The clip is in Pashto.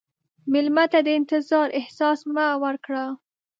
مېلمه ته د انتظار احساس مه ورکړه.